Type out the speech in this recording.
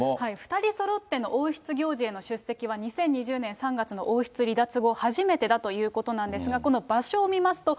２人そろっての王室行事への出席は２０２０年３月の王室離脱後初めてだということなんですが、この場所を見ますと、